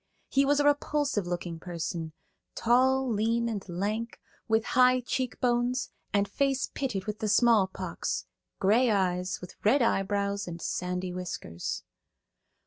He was a repulsive looking person, tall, lean and lank, with high cheekbones and face pitted with the small pox, gray eyes, with red eyebrows and sandy whiskers.